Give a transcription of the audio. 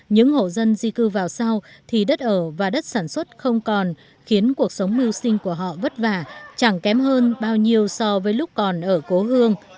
những hộ dân di cư vào sau thì đất ở và đất sản xuất không còn khiến cuộc sống mưu sinh của họ vất vả chẳng kém hơn bao nhiêu so với lúc còn ở cố hương